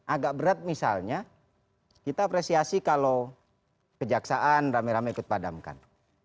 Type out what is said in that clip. agak berat misalnya kita apresiasi kalau kejaksaan rame rame ikut padamkan